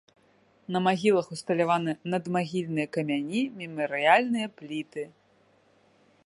На магілах усталяваны надмагільныя камяні, мемарыяльныя пліты.